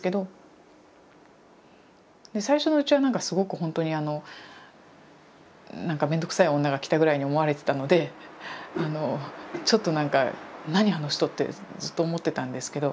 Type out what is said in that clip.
最初のうちはすごくほんとにあのなんかめんどくさい女が来たぐらいに思われてたのでちょっとなんか何あの人！ってずっと思ってたんですけど。